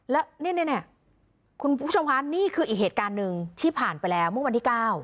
แล้วเนี่ยคุณผู้ชมคะนี่คืออีกเหตุการณ์หนึ่งที่ผ่านไปแล้วเมื่อวันที่๙